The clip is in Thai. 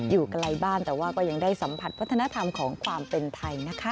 อยู่ไกลบ้านแต่ว่าก็ยังได้สัมผัสวัฒนธรรมของความเป็นไทยนะคะ